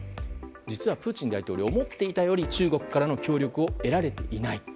実は、プーチン大統領は思っていたより中国からの協力を得られていないと。